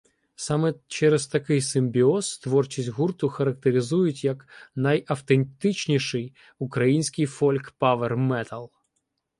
Саме через такий симбіоз творчість гурту характеризують як "найавтентичніший український фольк-павер-метал".